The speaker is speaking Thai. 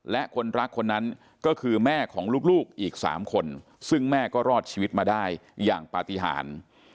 และคนรักคนนั้นก็คือแม่ของลูกอีก๓คนซึ่งแม่ก็รอดชีวิตมาได้อย่างปฏิหาร